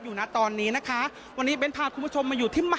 อยู่นะตอนนี้นะคะวันนี้เบ้นพาคุณผู้ชมมาอยู่ที่ใหม่